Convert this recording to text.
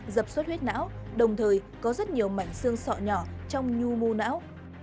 dập suất huyết não đồng thời có rất nhiều mảnh xương sọ nhỏ trong nhu mô não